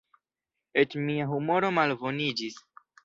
Eĉ mia humoro malboniĝis.